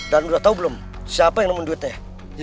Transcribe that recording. dan udah tau belum siapa yang ngomong duitnya